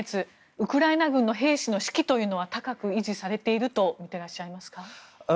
ウクライナ軍の兵士の士気は高く維持されているとみていらっしゃいますか？